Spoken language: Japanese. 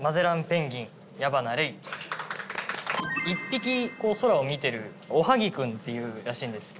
１匹空を見てるおはぎ君っていうらしいんですけど。